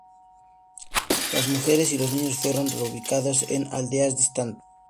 Las mujeres y los niños fueron "reubicados" en aldeas distantes.